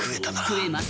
食えます。